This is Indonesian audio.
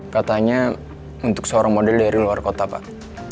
katanya untuk seorang model dari luar kota pak